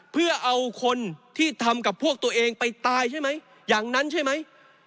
เพื่อเอาคนที่ทำกับพวกตัวเองไปตายใช่ไหมอย่างนั้นใช่ไหม